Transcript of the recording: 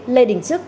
lê đình trức